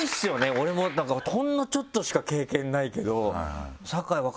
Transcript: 俺もほんのちょっとしか経験ないけど。